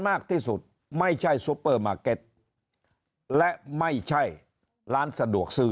มากที่สุดไม่ใช่ซูเปอร์มาร์เก็ตและไม่ใช่ร้านสะดวกซื้อ